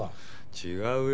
違うよ。